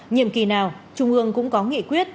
nhiệm kỳ nào trung ương cũng có nghị quyết